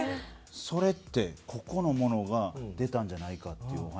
それってここの者が出たんじゃないかっていう話を。